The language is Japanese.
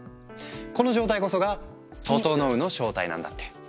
この状態こそが「ととのう」の正体なんだって。